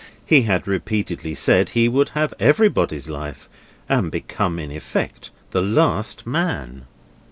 He had repeatedly said he would have everybody's life, and become in effect the last man.